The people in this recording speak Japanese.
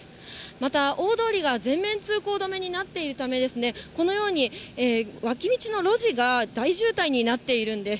また、大通りが全面通行止めになっているためですね、このように、脇道の路地が大渋滞になっているんです。